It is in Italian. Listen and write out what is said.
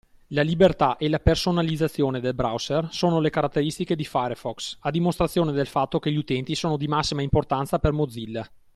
La libertà e la personalizzazione del browser sono le caratteristiche di Firefox, a dimostrazione del fatto che gli utenti sono di massima importanza per Mozilla.